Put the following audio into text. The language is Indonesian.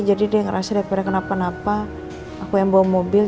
jadi dia ngerasa kenapa kenapa aku yang bawa mobil